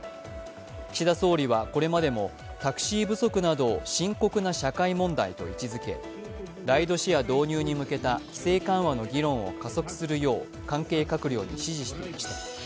岸田総理はこれまでもタクシー不足などを深刻な社会問題と位置づけライドシェア導入に向けた規制緩和の議論を加速するよう関係閣僚に指示していました。